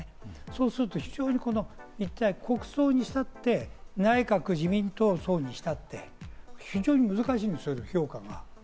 そうすると非常に国葬にしたって内閣自民党葬にしたって、非常に難しいんですよ、評価が。